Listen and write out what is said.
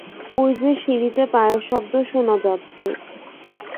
ঐ-যে সিঁড়িতে পায়ের শব্দ শোনা যাচ্ছে।